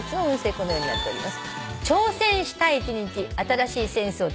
このようになっております。